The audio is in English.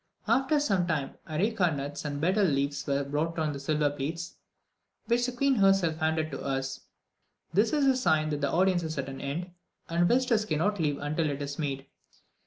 After some time areca nuts and betel leaves were brought on silver plates, which the queen herself handed to us; this is a sign that the audience is at an end, and visitors cannot leave until it is made.